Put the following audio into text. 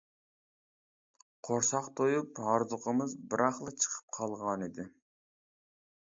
قورساق تويۇپ، ھاردۇقىمىز بىراقلا چىقىپ قالغانىدى.